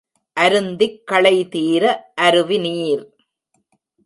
அருந்திக் களைதீர அருவிநீர்!